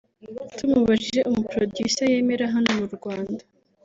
tumubajije umu Producer yemera hano mu Rwanda